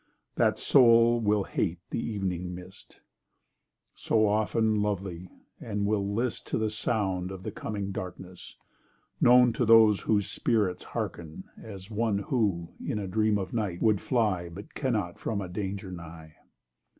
That soul will hate the ev'ning mist, So often lovely, and will list To the sound of the coming darkness (known To those whose spirits hearken) as one Who, in a dream of night, would fly But cannot from a danger nigh.